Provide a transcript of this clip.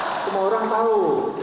semua orang tahu